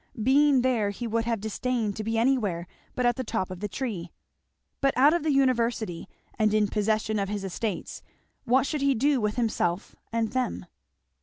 Being there he would have disdained to be anywhere but at the top of the tree. But out of the University and in possession of his estates, what should he do with himself and them?